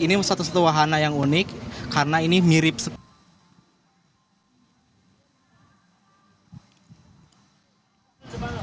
ini adalah sepeda langit yang unik karena ini mirip sepeda langit yang ada di krakatau park